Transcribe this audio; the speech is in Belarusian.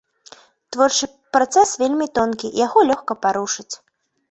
Творчы працэс вельмі тонкі і яго лёгка парушыць.